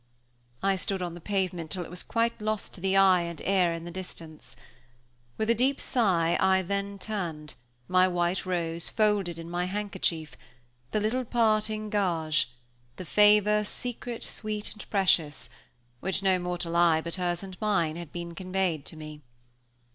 I stood on the pavement till it was quite lost to eye and ear in the distance. With a deep sigh, I then turned, my white rose folded in my handkerchief the little parting gage the Favor secret, sweet, and precious, which no mortal eye but hers and mine had seen conveyed to me.